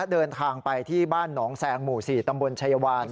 เดินทางไปที่บ้านหนองแซงหมู่๔ตำบลชายวาน